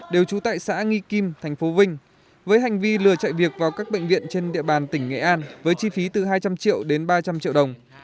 đều trú tại xã nghi kim thành phố vinh với hành vi lừa chạy việc vào các bệnh viện trên địa bàn tỉnh nghệ an với chi phí từ hai trăm linh triệu đến ba trăm linh triệu đồng